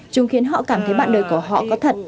chúng khiến họ cảm thấy bạn đời của họ có thật